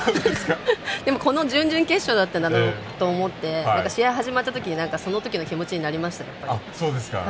でも、この準々決勝だなと思って試合が始まったときにそのときの気持ちになりました。